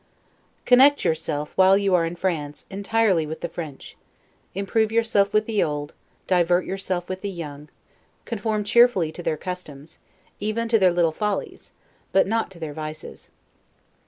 Connect yourself, while you are in France, entirely with the French; improve yourself with the old, divert yourself with the young; conform cheerfully to their customs, even to their little follies, but not to their vices.